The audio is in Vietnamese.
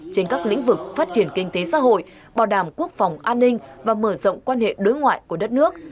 trên các lĩnh vực phát triển kinh tế xã hội bảo đảm quốc phòng an ninh và mở rộng quan hệ đối ngoại của đất nước